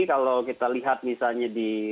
kalau kita lihat misalnya di